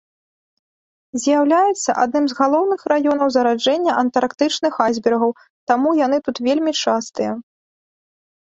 З'яўляецца адным з галоўных раёнаў зараджэння антарктычных айсбергаў, таму яны тут вельмі частыя.